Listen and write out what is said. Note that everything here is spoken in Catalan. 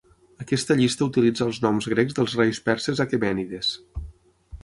Aquesta llista utilitza els noms grecs dels reis perses aquemènides.